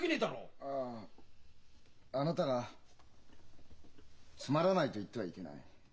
ああなたが「つまらない」と言ってはいけない。